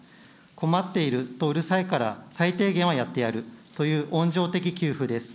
困っているとうるさいから、最低限はやってやるという温情的給付です。